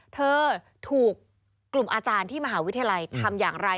เธอถูกกลุ่มอาจารย์ที่มหาวิทยาลัยทำอย่างไร